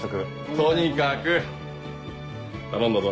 とにかく頼んだぞ。